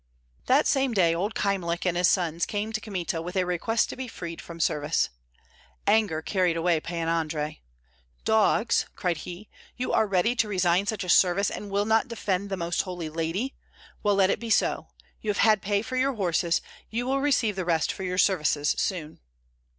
That same day old Kyemlich and his sons came to Kmita with a request to be freed from service. Anger carried away Pan Andrei. "Dogs!" cried he, "you are ready to resign such a service and will not defend the Most Holy Lady. Well, let it be so! You have had pay for your horses, you will receive the rest for your services soon."